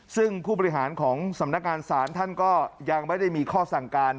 ซึ่งผู้บริหารของสำนักงานศาลท่านก็ยังไม่ได้มีข้อสั่งการ